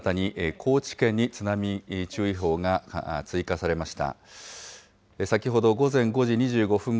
高知県に津波注意報が追加されています。